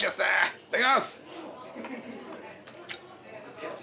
いただきます。